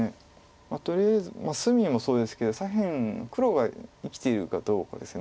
とりあえず隅もそうですけど左辺黒が生きているかどうかです。